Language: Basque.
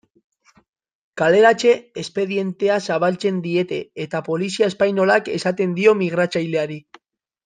Kaleratze espedientea zabaltzen diete eta polizia espainolak esaten dio migratzaileari.